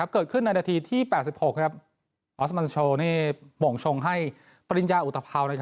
เกิดขึ้นในนาทีที่๘๖ครับออสมันโชว์ป่งชงให้ปริญญาอุตพราวณ์